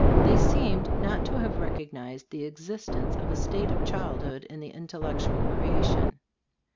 They seemed not to have recognized the existence of a state of childhood in the intellectual creation.